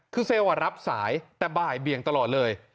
คือเซลล์รับสายแต่บ่ายเบียงตลอดเลย